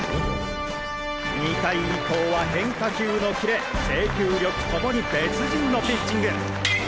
２回以降は変化球のキレ制球力共に別人のピッチング！